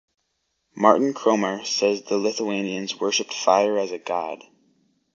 Martin Cromer says the the Lithuanians worshipped fire as a god.